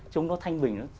trông nó thanh bình